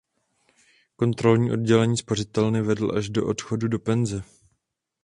Kontrolní oddělení spořitelny vedl až do odchodu do penze.